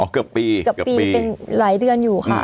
เกือบปีเป็นหลายเดือนอยู่ค่ะ